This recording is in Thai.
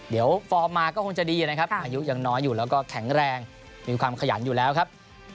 เดี๋ยวฟอร์มมาก็คงจะดีนะครับอายุยังน้อยอยู่แล้วก็แข็งแรงมีความขยันอยู่แล้วครับ